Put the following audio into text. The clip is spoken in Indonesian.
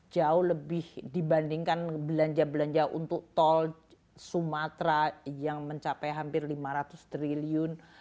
jauh lebih dibandingkan belanja belanja untuk tol sumatera yang mencapai hampir lima ratus triliun